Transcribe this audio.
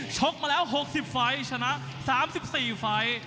ชกมาแล้ว๖๐ไฟล์ชนะ๓๔ไฟล์